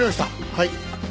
はい。